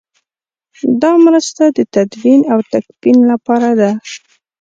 دا مرسته د تدفین او تکفین لپاره ده.